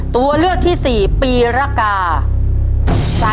ตัวเลือกที่๔ปีรกา